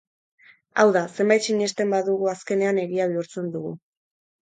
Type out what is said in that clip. Hau da, zerbait sinesten badugu azkenean egia bihurtzen dugu.